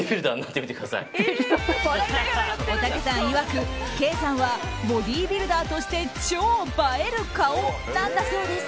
おたけさんいわく、ケイさんはボディービルダーとして超映える顔なんだそうです。